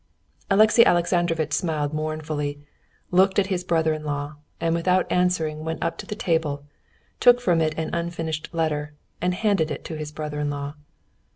Alexey Alexandrovitch smiled mournfully, looked at his brother in law, and without answering went up to the table, took from it an unfinished letter, and handed it to his brother in law.